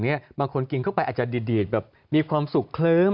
บางคนกินเข้าไปอาจจะดีดแบบมีความสุขเคลิ้ม